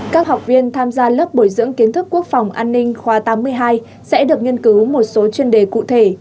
các học viên tham gia lớp bồi dưỡng kiến thức quốc phòng an ninh khoa tám mươi hai sẽ được nghiên cứu một số chuyên đề cụ thể